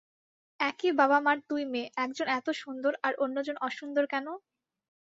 একই বাবা-মার দুই মেয়ে-একজন এত সুন্দর আর অন্যজন অসুন্দর কেন?